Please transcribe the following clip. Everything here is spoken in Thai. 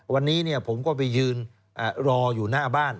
วันนี้ผมก็ไปยืนรออยู่หน้าบ้าน